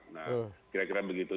nah kira kira begitu